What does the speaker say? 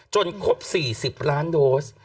ครบ๔๐ล้านโดส